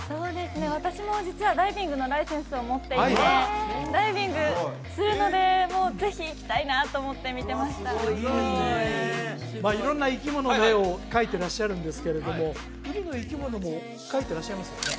私も実はダイビングのライセンスを持っていてダイビングするのでもうぜひ行きたいなと思って見てましたまあ色んな生き物の絵を描いてらっしゃるんですけれども海の生き物も描いてらっしゃいますよね？